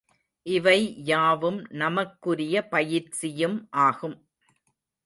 இவை யாவும் நமக்குரிய பயிற்சியும் ஆகும்.